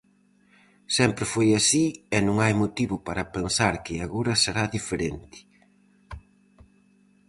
Sempre foi así e non hai motivo para pensar que agora será diferente.